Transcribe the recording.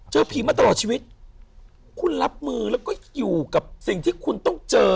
เจอผีมาตลอดชีวิตคุณรับมือแล้วก็อยู่กับสิ่งที่คุณต้องเจอ